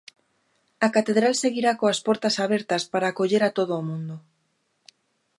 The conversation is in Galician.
A Catedral seguirá coas portas abertas para acoller a todo o mundo.